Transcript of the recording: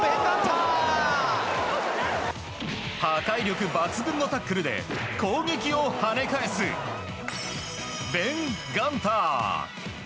破壊力抜群のタックルで攻撃を跳ね返すベン・ガンター。